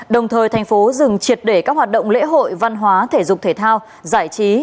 đồng thời tp tuy hòa dừng triệt để các hoạt động lễ hội văn hóa thể dục thể thao giải trí